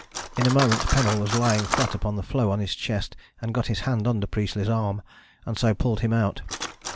In a moment Pennell was lying flat upon the floe on his chest, got his hand under Priestley's arm, and so pulled him out.